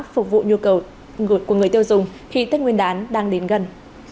phục vụ nhu cầu ngột của người tiêu dùng khi tết nguyên đán đang đến gần